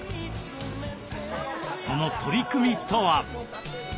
その取り組みとは？